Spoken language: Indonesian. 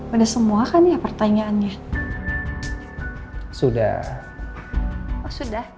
udah semua kan ya pertanyaannya sudah sudah